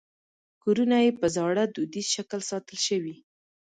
کورونه یې په زاړه دودیز شکل ساتل شوي.